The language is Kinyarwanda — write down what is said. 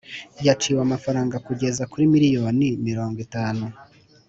Yaciwe amafaranga kugeza kuri miliyoni mirongo itanu